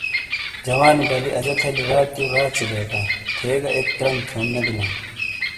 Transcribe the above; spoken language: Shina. جوانی بالی اجہ تھالی راتیو راڇھی بیٹاں تھے گہ ایک ترنڈ تھیوننے بیلا ں۔